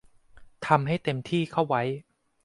ทำให้เต็มที่เข้าไว้